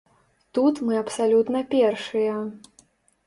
Тут мы абсалютна першыя.